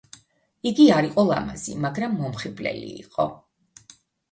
იგი არ იყო ლამაზი, მაგრამ მომხიბვლელი იყო.